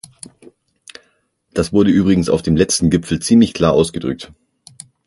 Das wurde übrigens auf dem letzten Gipfel ziemlich klar ausgedrückt.